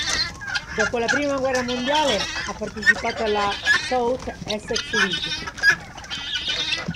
Dopo la prima guerra mondiale, ha partecipato alla South Essex League.